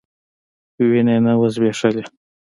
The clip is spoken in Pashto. وينه يې نه وه ځبېښلې.